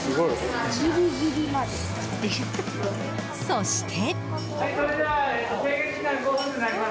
そして。